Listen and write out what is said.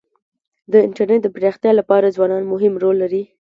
د انټرنېټ د پراختیا لپاره ځوانان مهم رول لري.